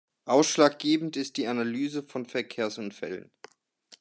Ausschlaggebend ist die Analyse von Verkehrsunfällen.